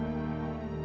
di mana tadi siap